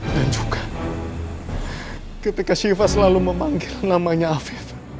dan juga ketika shiva selalu memanggil namanya afif